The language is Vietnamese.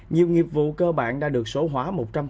nhiều nghiệp vụ cơ bản đã được số hóa một trăm linh